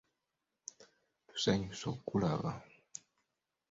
Tusanyuse okkulaba.